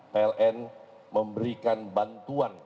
pln memberikan bantuan